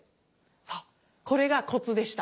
そうこれがコツでした。